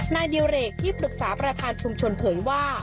นายดิเรกที่ปรึกษาประธานชุมชนเผยว่า